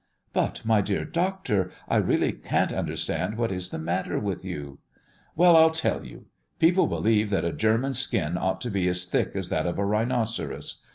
"But my dear Doctor, I really can't understand what is the matter with you." "Well, I'll tell you. People believe that a German's skin ought to be as thick as that of a rhinoceros.